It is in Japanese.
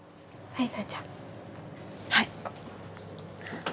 はい。